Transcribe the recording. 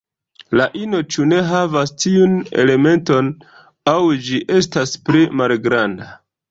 La ino ĉu ne havas tiun elementon aŭ ĝi estas pli malgranda.